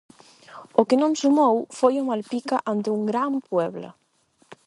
O que non sumou foi o Malpica ante un gran Puebla.